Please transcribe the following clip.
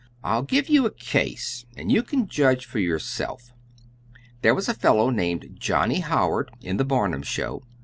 "I'll give you a case, and you can judge for yourself. There was a fellow named Johnnie Howard in the Barnum show.